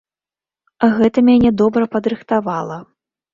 Гэта мяне добра падрыхтавала.